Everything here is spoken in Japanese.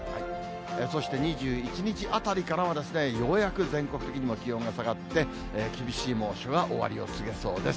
そして２１日あたりからは、ようやく、全国的にも気温が下がって、厳しい猛暑が終わりを告げそうです。